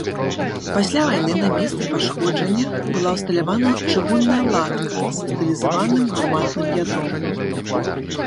Пасля вайны на месцы пашкоджання была ўсталяваная чыгунная латка са стылізаваным гарматным ядром.